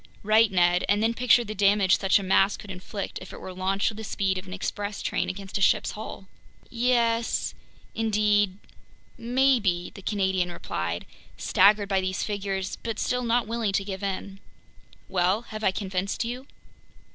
"Right, Ned, and then picture the damage such a mass could inflict if it were launched with the speed of an express train against a ship's hull." "Yes ... indeed ... maybe," the Canadian replied, staggered by these figures but still not willing to give in. "Well, have I convinced you?"